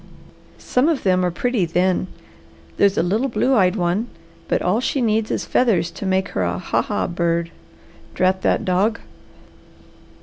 Some of them are pretty, then. There's a little blue eyed one, but all she needs is feathers to make her a 'ha! ha! bird.' Drat that dog!"